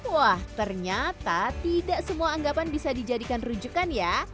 wah ternyata tidak semua anggapan bisa dijadikan rujukan ya